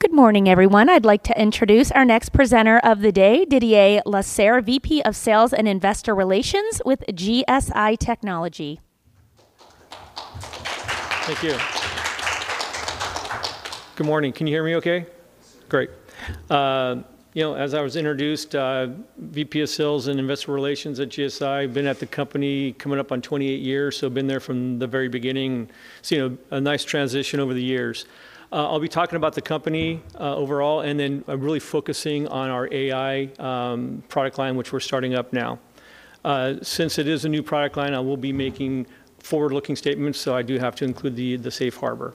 Good morning, everyone. I'd like to introduce our next presenter of the day, Didier Lasserre, VP of Sales and Investor Relations with GSI Technology. Thank you. Good morning. Can you hear me okay? Great. You know, as I was introduced, Vice President of Sales and Investor Relations at GSI. Been at the company coming up on 28 years, been there from the very beginning. See a nice transition over the years. I'll be talking about the company overall, and then really focusing on our AI product line, which we're starting up now. Since it is a new product line, I will be making forward-looking statements, I do have to include the safe harbor.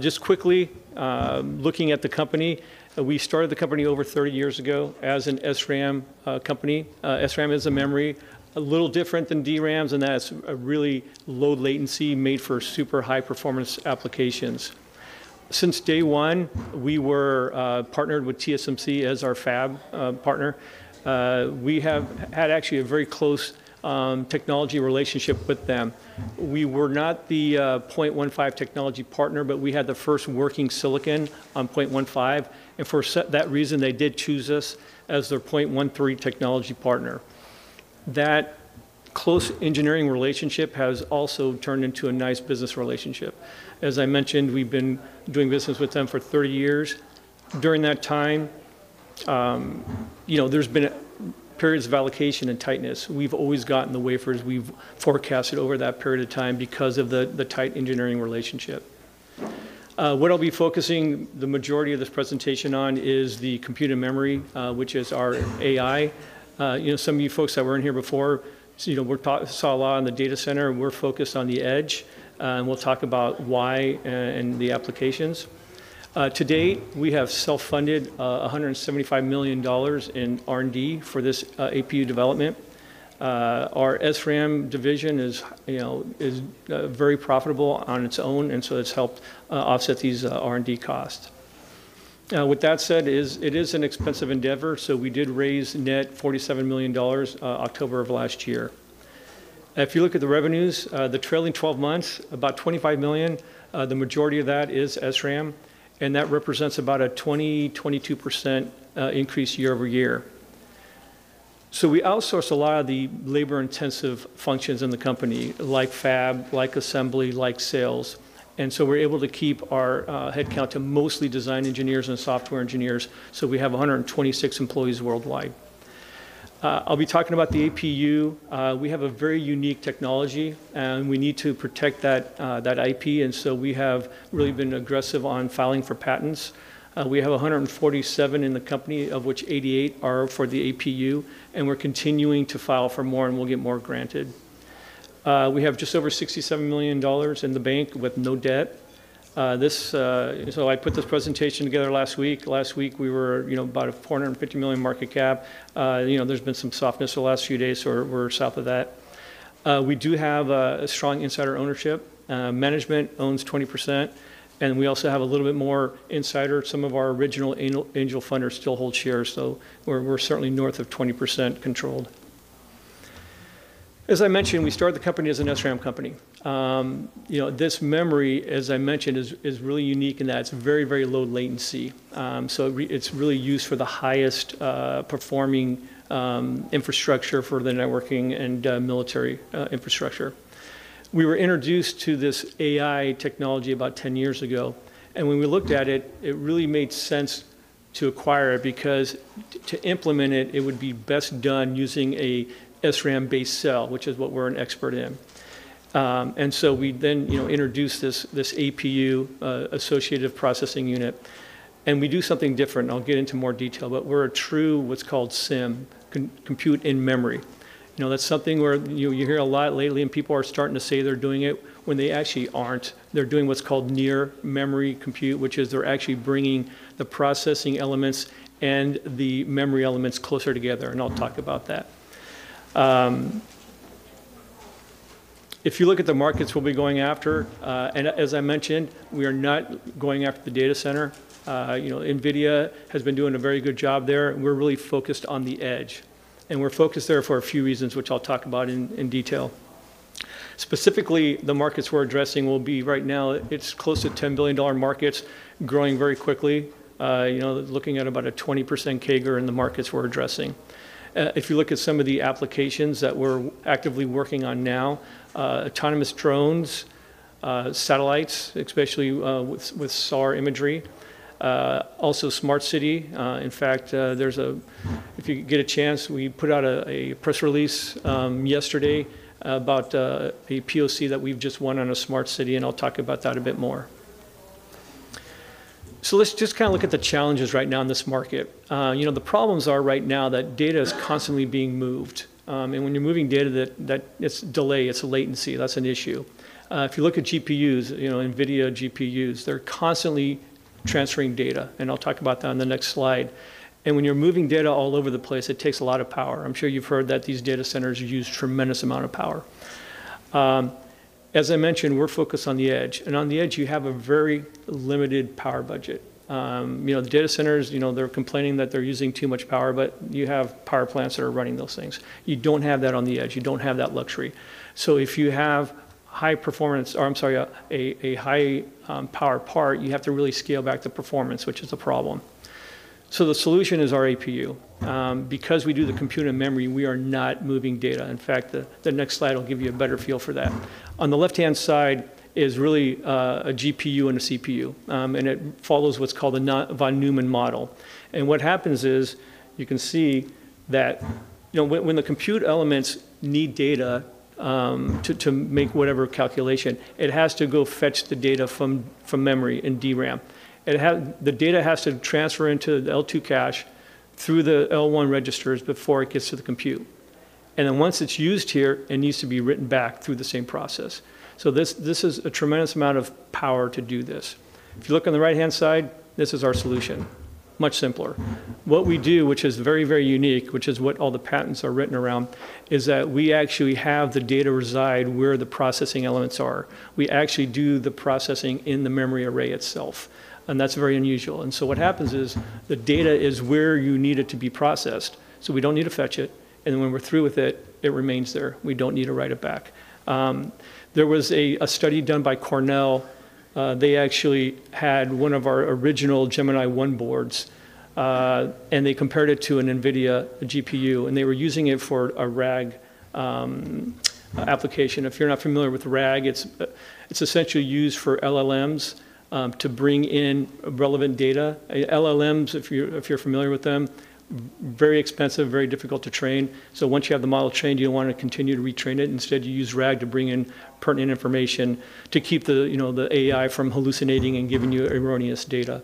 Just quickly, looking at the company, we started the company over 30 years ago as an SRAM company. SRAM is a memory, a little different than DRAMs in that it's a really low latency made for super high performance applications. Since day one, we were partnered with TSMC as our fab partner. We have had actually a very close technology relationship with them. We were not the 0.15 technology partner, but we had the first working silicon on 0.15. For that reason, they did choose us as their 0.13 technology partner. That close engineering relationship has also turned into a nice business relationship. As I mentioned, we've been doing business with them for 30 years. During that time, you know, there's been periods of allocation and tightness. We've always gotten the wafers we've forecasted over that period of time because of the tight engineering relationship. What I'll be focusing the majority of this presentation on is the computer memory, which is our AI. You know, some of you folks that were in here before, so you know, we saw a lot on the data center, we're focused on the edge, we'll talk about why and the applications. To date, we have self-funded $175 million in R&D for this APU development. Our SRAM division, you know, is very profitable on its own, it's helped offset these R&D costs. With that said, it is an expensive endeavor, we did raise net $47 million October of last year. If you look at the revenues, the trailing 12 months, about $25 million, the majority of that is SRAM, that represents about a 20%-22% increase year-over-year. We outsource a lot of the labor-intensive functions in the company, like fab, like assembly, like sales, and so we're able to keep our headcount to mostly design engineers and software engineers. We have 126 employees worldwide. I'll be talking about the APU. We have a very unique technology, and we need to protect that IP, and we have really been aggressive on filing for patents. We have 147 in the company, of which 88 are for the APU, and we're continuing to file for more, and we'll get more granted. We have just over $67 million in the bank with no debt. I put this presentation together last week. Last week, we were, you know, about a $450 million market cap. You know, there's been some softness the last few days, so we're south of that. We do have a strong insider ownership. Management owns 20%, and we also have a little bit more insider. Some of our original angel funders still hold shares, so we're certainly north of 20% controlled. As I mentioned, we started the company as an SRAM company. You know, this memory, as I mentioned, is really unique in that it's very low latency. It's really used for the highest performing infrastructure for the networking and military infrastructure. We were introduced to this AI technology about 10 years ago. When we looked at it really made sense to acquire it because to implement it would be best done using a SRAM-based cell, which is what we're an expert in. So we then, you know, introduced this APU, Associative Processing Unit, and we do something different. I'll get into more detail, but we're a true what's called CIM, Compute-In-Memory. You know, that's something where you hear a lot lately, and people are starting to say they're doing it when they actually aren't. They're doing what's called near memory compute, which is they're actually bringing the processing elements and the memory elements closer together, and I'll talk about that. If you look at the markets we'll be going after, as I mentioned, we are not going after the data center. You know, NVIDIA has been doing a very good job there. We're really focused on the edge, and we're focused there for a few reasons, which I'll talk about in detail. Specifically, the markets we're addressing will be right now, it's close to $10 billion markets growing very quickly. You know, looking at about a 20% CAGR in the markets we're addressing. If you look at some of the applications that we're actively working on now, autonomous drones, satellites, especially with SAR imagery, also smart city. In fact, if you get a chance, we put out a press release yesterday about a POC that we've just won on a smart city, and I'll talk about that a bit more. Let's just kind of look at the challenges right now in this market. You know, the problems are right now that data is constantly being moved. When you're moving data that, it's delay, it's latency, that's an issue. If you look at GPUs, you know, NVIDIA GPUs, they're constantly transferring data, and I'll talk about that on the next slide. When you're moving data all over the place, it takes a lot of power. I'm sure you've heard that these data centers use tremendous amount of power. As I mentioned, we're focused on the edge. On the edge, you have a very limited power budget. You know, the data centers, you know, they're complaining that they're using too much power, but you have power plants that are running those things. You don't have that on the edge. You don't have that luxury. If you have high performance or, I'm sorry, a high power part, you have to really scale back the performance, which is a problem. The solution is our APU. Because we do the compute and memory, we are not moving data. In fact, the next slide will give you a better feel for that. On the left-hand side is really a GPU and a CPU. It follows what's called a non-von Neumann model. What happens is, you can see that, you know, when the compute elements need data to make whatever calculation, it has to go fetch the data from memory in DRAM. The data has to transfer into the L2 cache through the L1 registers before it gets to the compute. Once it's used here, it needs to be written back through the same process. This is a tremendous amount of power to do this. If you look on the right-hand side, this is our solution, much simpler. What we do, which is very, very unique, which is what all the patents are written around, is that we actually have the data reside where the processing elements are. We actually do the processing in the memory array itself, and that's very unusual. What happens is the data is where you need it to be processed, so we don't need to fetch it. When we're through with it remains there. We don't need to write it back. There was a study done by Cornell. They actually had one of our original Gemini-I boards, and they compared it to an NVIDIA GPU, and they were using it for a RAG application. If you're not familiar with RAG, it's essentially used for LLMs to bring in relevant data. LLMs, if you're, if you're familiar with them, very expensive, very difficult to train. Once you have the model trained, you don't wanna continue to retrain it, instead you use RAG to bring in pertinent information to keep the, you know, the AI from hallucinating and giving you erroneous data.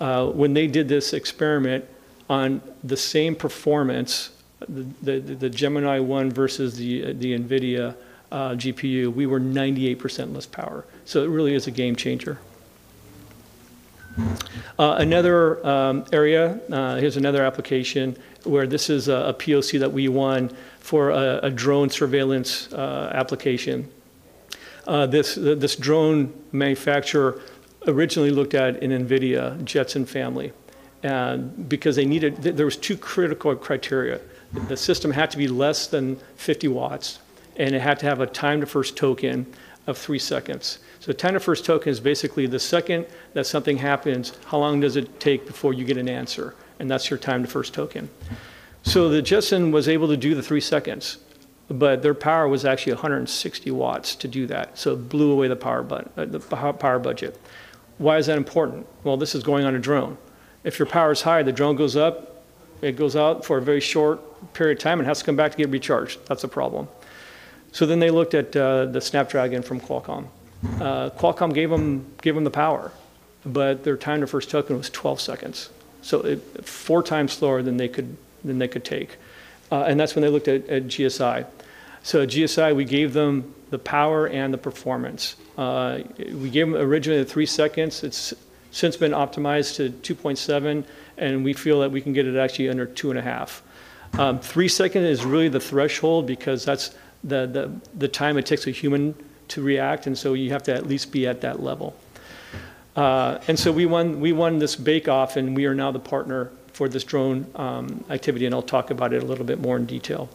When they did this experiment on the same performance, the Gemini-I versus the NVIDIA GPU, we were 98% less power. It really is a game changer. Another area, here's another application where this is a POC that we won for a drone surveillance application. This drone manufacturer originally looked at an NVIDIA Jetson family, and because there were two critical criteria. The system had to be less than 50 W, and it had to have a time to first token of three seconds. Time to first token is basically the second that something happens, how long does it take before you get an answer? That's your time to first token. The Jetson was able to do the three seconds, but their power was actually 160 watts to do that, so it blew away the power budget. Why is that important? Well, this is going on a drone. If your power is high, the drone goes up, it goes out for a very short period of time. It has to come back to get recharged. That's a problem. They looked at the Snapdragon from Qualcomm. Qualcomm gave them the power, but their time to first token was 12 seconds. 4x slower than they could take. That's when they looked at GSI. At GSI, we gave them the power and the performance. We gave them originally the three seconds. It's since been optimized to 2.7, and we feel that we can get it actually under 2.5. Three second is really the threshold because that's the time it takes a human to react, and so you have to at least be at that level. We won this bake-off, and we are now the partner for this drone activity, and I'll talk about it a little bit more in detail.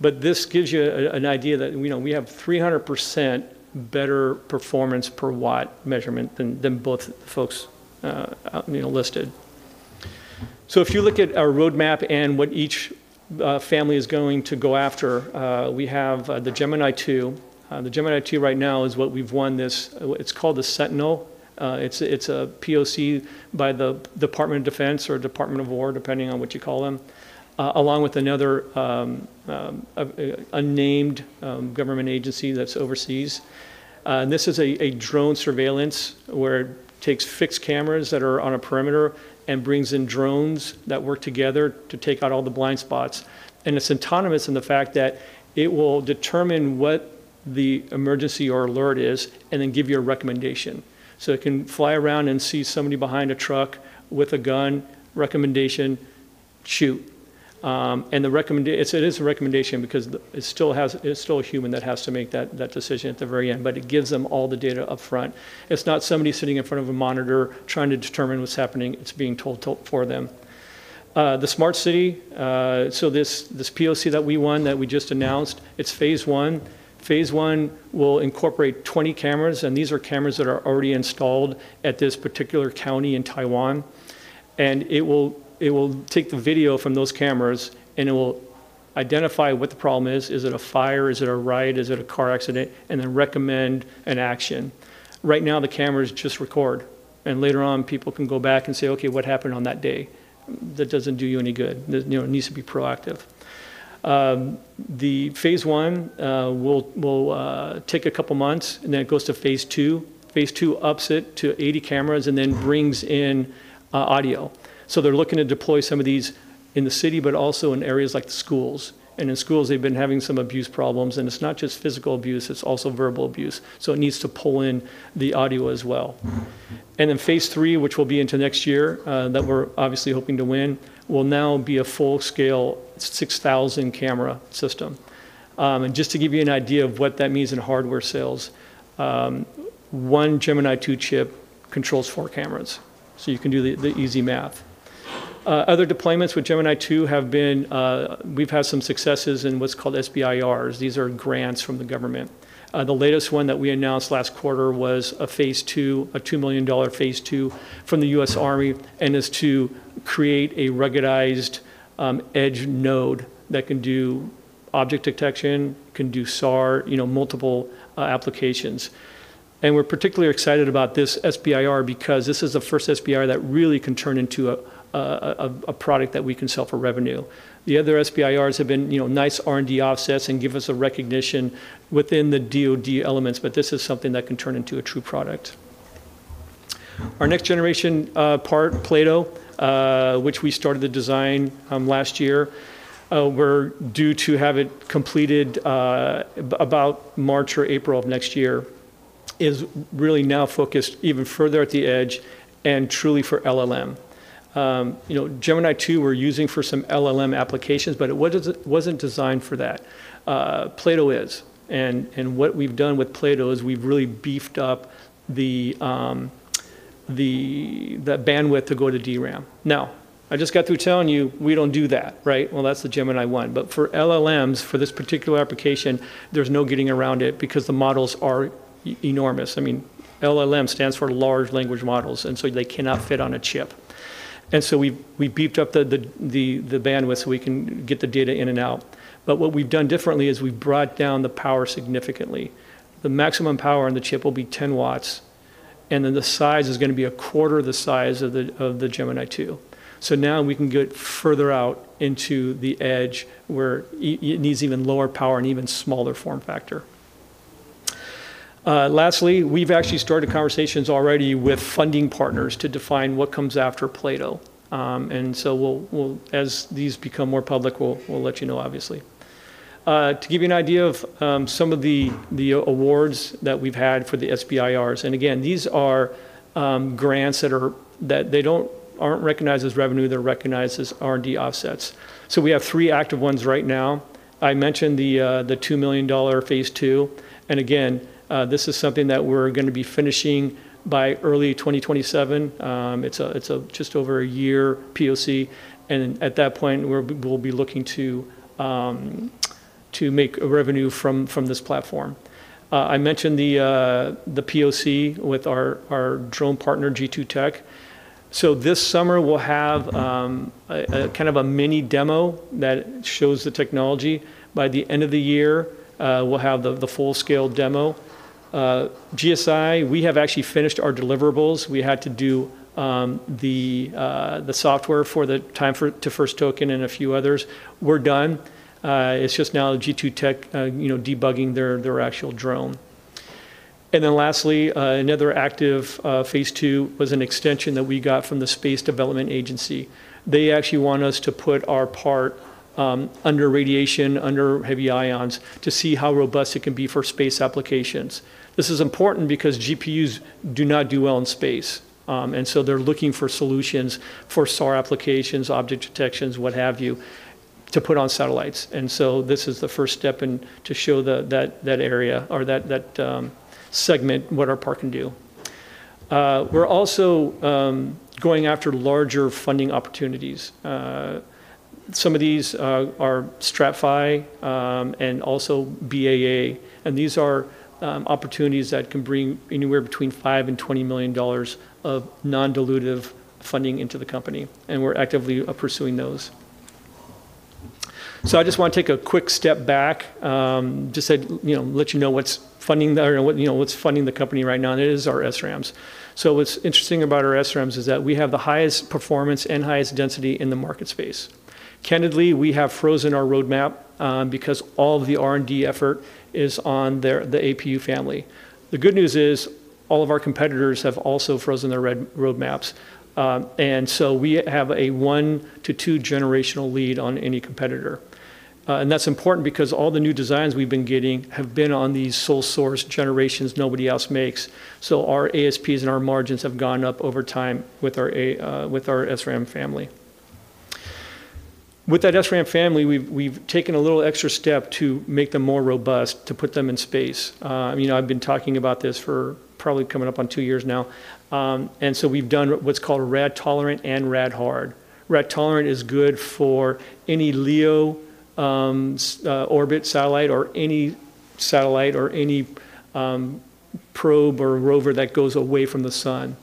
This gives you an idea that, you know, we have 300% better performance per watt measurement than both folks, you know, listed. If you look at our roadmap and what each family is going to go after, we have the Gemini-II. The Gemini-II right now is what we've won this. It's called the Sentinel. It's a POC by the Department of Defense or Department of War, depending on what you call them, along with another unnamed government agency that's overseas. This is a drone surveillance where it takes fixed cameras that are on a perimeter and brings in drones that work together to take out all the blind spots. It's autonomous in the fact that it will determine what the emergency or alert is and then give you a recommendation. It can fly around and see somebody behind a truck with a gun, recommendation, shoot. It is a recommendation because it's still a human that has to make that decision at the very end, but it gives them all the data up front. It's not somebody sitting in front of a monitor trying to determine what's happening. It's being told for them. The smart city, this POC that we won that we just announced, it's phase I. Phase I will incorporate 20 cameras. These are cameras that are already installed at this particular county in Taiwan. It will take the video from those cameras, and it will identify what the problem is. Is it a fire? Is it a riot? Is it a car accident? Then recommend an action. Right now, the cameras just record, and later on, people can go back and say, "Okay, what happened on that day?" That doesn't do you any good. You know, it needs to be proactive. The phase I will take a couple months, and then it goes to phase II. Phase II ups it to 80 cameras and then brings in audio. They're looking to deploy some of these in the city, but also in areas like the schools. In schools, they've been having some abuse problems, and it's not just physical abuse, it's also verbal abuse. It needs to pull in the audio as well. In phase III, which will be into next year, that we're obviously hoping to win, will now be a full-scale 6,000 camera system. Just to give you an idea of what that means in hardware sales, one Gemini-II chip controls four cameras. You can do the easy math. Other deployments with Gemini-II have been, we've had some successes in what's called SBIRs. These are grants from the government. The latest one that we announced last quarter was a phase II, a $2 million phase II from the US Army, and is to create a ruggedized edge node that can do object detection can do SAR, you know, multiple applications. We're particularly excited about this SBIR because this is the first SBIR that really can turn into a product that we can sell for revenue. The other SBIRs have been, you know, nice R&D offsets and give us a recognition within the DoD elements, but this is something that can turn into a true product. Our next generation part, Plato, which we started the design last year, we're due to have it completed about March or April of next year, is really now focused even further at the edge and truly for LLM. You know, Gemini-II we're using for some LLM applications, but it wasn't designed for that. Plato is. What we've done with Plato is we've really beefed up the bandwidth to go to DRAM. Now, I just got through telling you we don't do that, right? Well, that's the Gemini-I. For LLMs, for this particular application, there's no getting around it because the models are enormous. I mean, LLM stands for large language models, they cannot fit on a chip. We beefed up the bandwidth so we can get the data in and out. What we've done differently is we've brought down the power significantly. The maximum power on the chip will be 10 W, and then the size is gonna be a quarter of the size of the Gemini-II. Now we can get further out into the edge where it needs even lower power and even smaller form factor. Lastly, we've actually started conversations already with funding partners to define what comes after Plato. As these become more public, we'll let you know, obviously. To give you an idea of some of the awards that we've had for the SBIRs, and again, these are grants that aren't recognized as revenue. They're recognized as R&D offsets. We have three active ones right now. I mentioned the $2 million phase II. Again, this is something that we're gonna be finishing by early 2027. It's a just over a year POC. At that point, we'll be looking to make revenue from this platform. I mentioned the POC with our drone partner, G2 Tech. This summer we'll have a kind of a mini demo that shows the technology. By the end of the year, we'll have the full-scale demo. GSI, we have actually finished our deliverables. We had to do the software for the time to first token and a few others. We're done. It's just now G2 Tech, you know, debugging their actual drone. Lastly, another active phase II was an extension that we got from the Space Development Agency. They actually want us to put our part under radiation, under heavy ions, to see how robust it can be for space applications. This is important because GPUs do not do well in space. They're looking for solutions for SAR applications, object detections, what have you, to put on satellites. This is the first step in to show that area or that segment what our part can do. We're also going after larger funding opportunities. Some of these are STRATFI and also BAA. These are opportunities that can bring anywhere between $5 million and $20 million of non-dilutive funding into the company, and we're actively pursuing those. So, I just want to take a quick step back. You know, to let you know what's funding the company right now is our SRAMs. So what's interesting about our SRAMs is that we have the highest performance and highest density in the market space. [Currently] we have frozen our roadmap because all of the R&D effort is on the APU family. The good news is, all of our competitors have also frozen their roadmaps. So, we have a one to two generational lead on any competitor. That's important because all the new designs we've been getting have been on these sole source generations nobody else makes. So our ASPs and our margins have gone up overtime with our SRAM family. With that SRAM family, we've taken a little extra step to make them more robust, to put them in space. You know, I've been talking about this for probably coming up on two years now. So we've done what's called radiation-tolerant and radiation-hardened. Radiation-tolerant is good for any LEO orbit satellite or any satellite or any probe or rover that goes away from the sun.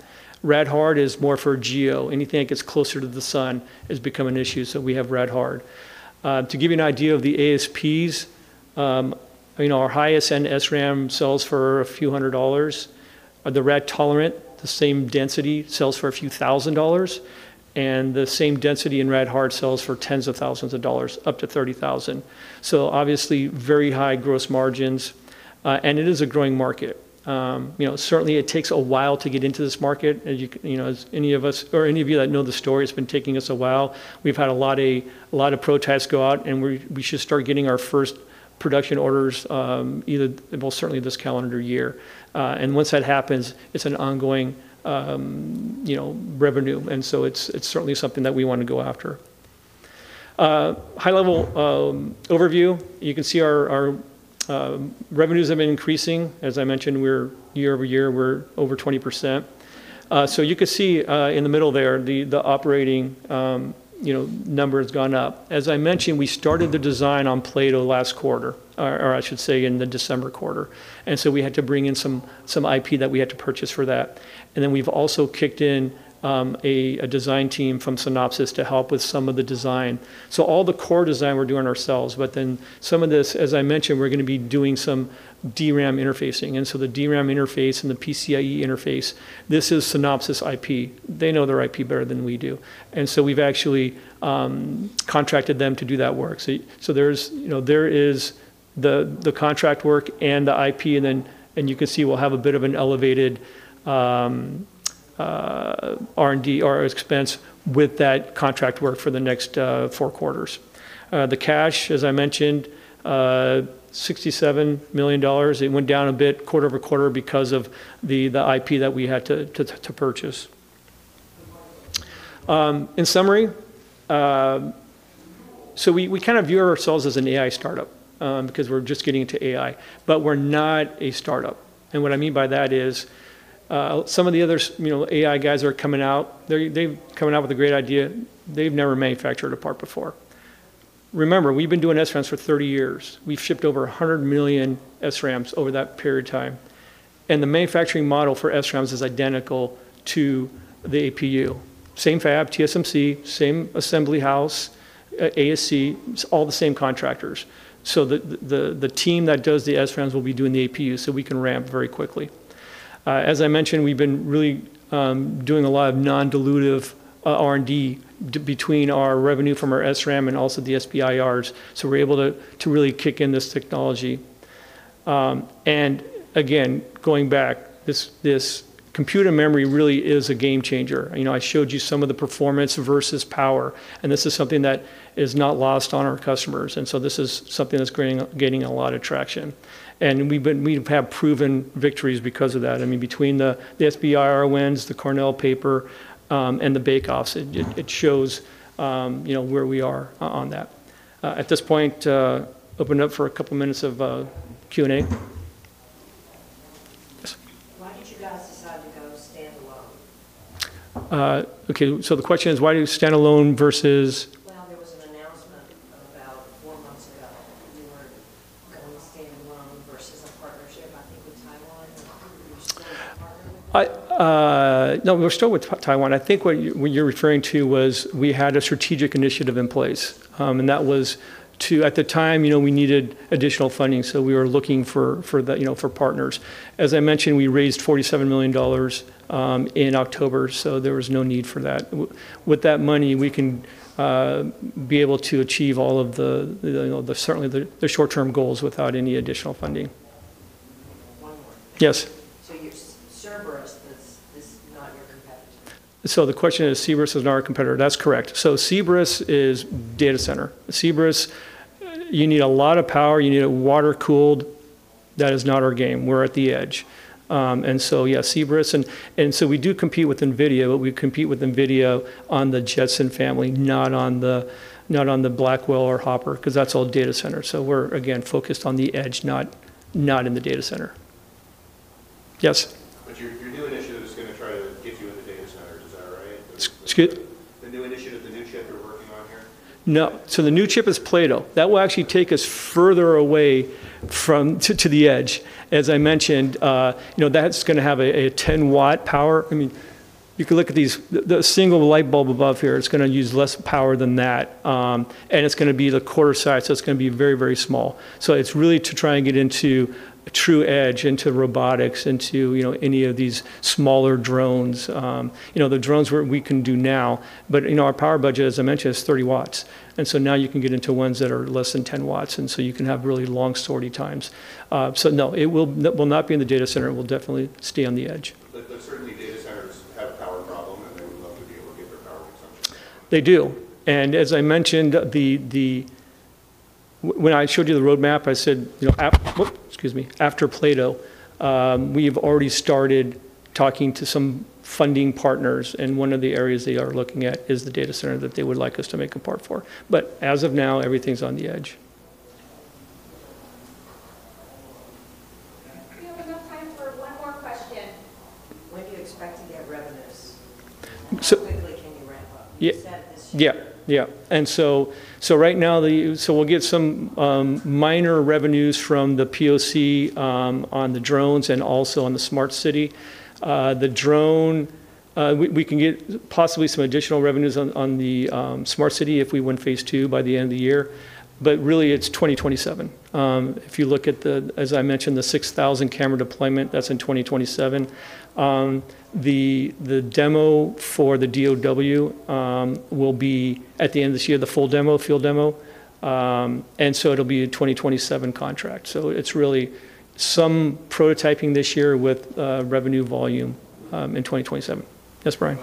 Radiation-hardened is more for GEO. Anything that gets closer to the sun has become an issue, so we have radiation-hardened. To give you an idea of the ASPs, you know, our highest-end SRAM sells for a few hundred dollars. The radiation-tolerant, the same density, sells for a few thousand dollars. The same density in radiation-hardened sells for tens of thousands of dollars, up to $30,000. Obviously, very high gross margins, and it is a growing market. You know, certainly it takes a while to get into this market. As you know, as any of us or any of you that know the story, it's been taking us a while. We've had a lot of protests go out, and we should start getting our first production orders, well, certainly this calendar year. Once that happens, it's an ongoing, you know, revenue. It's certainly something that we wanna go after. High level overview, you can see our revenues have been increasing. As I mentioned, we're year-over-year, we're over 20%. You can see, in the middle there, the operating, you know, number has gone up. As I mentioned, we started the design on Plato last quarter, or I should say in the December quarter. We had to bring in some IP that we had to purchase for that. We've also kicked in a design team from Synopsys to help with some of the design. All the core design we're doing ourselves, some of this, as I mentioned, we're gonna be doing some DRAM interfacing. The DRAM interface and the PCIe interface, this is Synopsys IP. They know their IP better than we do. We've actually contracted them to do that work. There's, you know, there is the contract work and the IP, and you can see we'll have a bit of an elevated R&D or expense with that contract work for the next 4 quarters. The cash, as I mentioned, $67 million. It went down a bit quarter-over-quarter because of the IP that we had to purchase. In summary, we kind of view ourselves as an AI startup, because we're just getting into AI, but we're not a startup. What I mean by that is, some of the other, you know, AI guys are coming out. They're coming out with a great idea. They've never manufactured a part before. Remember, we've been doing SRAMs for 30 years. We've shipped over 100 million SRAMs over that period of time. The manufacturing model for SRAMs is identical to the APU. Same fab, TSMC, same assembly house, ASE, all the same contractors. The team that does the SRAMs will be doing the APU. We can ramp very quickly. As I mentioned, we've been really doing a lot of non-dilutive R&D between our revenue from our SRAM and also the SBIRs. We're able to really kick in this technology. Again, going back, this computer memory really is a game changer. You know, I showed you some of the performance versus power. This is something that is not lost on our customers. This is something that's gaining a lot of traction. We have proven victories because of that. I mean, between the SBIR wins, the Cornell paper, and the bake-offs, it shows, you know, where we are on that. At this point, open it up for a couple minutes of Q&A. Yes. Why did you guys decide to go standalone? Okay. The question is, why do you standalone versus? Well, there was an announcement about four months ago that you were going standalone versus a partnership, I think with Taiwan. Are you still partnering with Taiwan? I, no, we're still with Taiwan. I think what you're referring to was we had a strategic initiative in place. That was at the time, you know, we needed additional funding, so we were looking for the, you know, for partners. As I mentioned, we raised $47 million in October, so there was no need for that. With that money, we can be able to achieve all of the, you know, the certainly the short-term goals without any additional funding. Okay. One more. Yes. Cerebras is not your competitor? The question is, Cerebras is not our competitor. That's correct. Cerebras is data center. Cerebras, you need a lot of power, you need it water-cooled. That is not our game. We're at the edge. Cerebras and so we do compete with NVIDIA, but we compete with NVIDIA on the Jetson family, not on the Blackwell or Hopper, 'cause that's all data center. We're, again, focused on the edge, not in the data center. Yes. Your new initiative is gonna try to get you in the data centers. Is that right? Excuse me? The new initiative, the new chip you're working on here. No. The new chip is Plato. That will actually take us further away to the edge. As I mentioned, you know, that's gonna have a 10 W power. I mean, you can look at these. The single light bulb above here, it's gonna use less power than that. It's gonna be the quarter size, so it's gonna be very small. It's really to try and get into true edge, into robotics, into, you know, any of these smaller drones. You know, the drones we can do now, but, you know, our power budget, as I mentioned, is 30 W. Now you can get into ones that are less than 10 W, and so you can have really long sortie times. No, it will not be in the data center. It will definitely stay on the edge. Certainly data centers have a power problem, and they would love to be able to get their power consumption down. They do. As I mentioned, when I showed you the roadmap, I said, after Plato, we've already started talking to some funding partners, and one of the areas they are looking at is the data center that they would like us to make a part for. As of now, everything's on the edge. We have enough time for one more question. When do you expect to get revenues? So. How quickly can you ramp up? Yeah. You said this year. Yeah, yeah. Right now, we'll get some minor revenues from the POC on the drones and also on the smart city. The drone, we can get possibly some additional revenues on the smart city if we win phase II by the end of the year. Really, it's 2027. If you look at the, as I mentioned, the 6,000 camera deployment, that's in 2027. The demo for the DoD will be at the end of this year, the full demo, field demo. It'll be a 2027 contract. It's really some prototyping this year with revenue volume in 2027. Yes, Brian?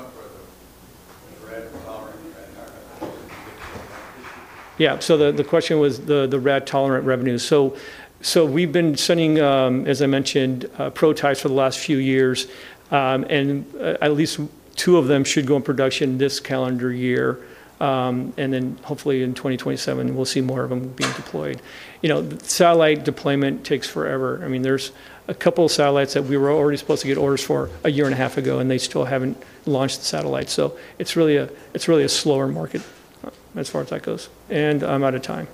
What about for the rad-tolerant application? The question was the Radiation-tolerant revenue. We've been sending, as I mentioned, prototypes for the last few years. At least two of them should go in production this calendar year. Hopefully in 2027, we'll see more of them being deployed. You know, satellite deployment takes forever. I mean, there's a couple of satellites that we were already supposed to get orders for a year and a half ago, and they still haven't launched the satellite. It's really a slower market as far as that goes. I'm out of time.